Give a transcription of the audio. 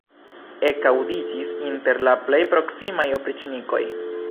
ekaŭdiĝis inter la plej proksimaj opriĉnikoj.